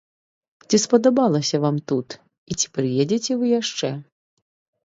Ці спадабалася вам тут, і ці прыедзеце вы яшчэ?